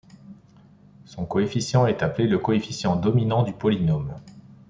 Son coefficient est appelé le coefficient dominant du polynôme.